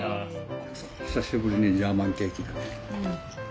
久しぶりにジャーマンケーキだね。